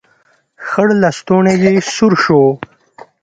خړ لستوڼی يې سور شو.